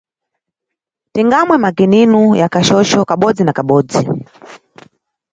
Tingamwe makininu ya kachocho kabodzi na kabodzi.